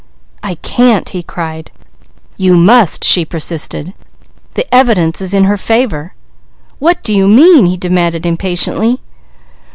"I can't!" he cried. "You must! The evidence is in her favour." "What do you mean?" he demanded impatiently.